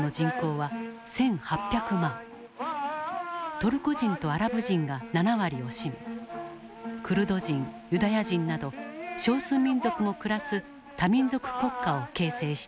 トルコ人とアラブ人が７割を占めクルド人ユダヤ人など少数民族も暮らす多民族国家を形成していた。